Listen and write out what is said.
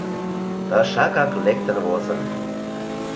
Тышакак лектын возын.